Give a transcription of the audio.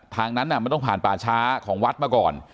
ทางนั้นมันต้องผ่านป่าช้าของวัดมาก่อน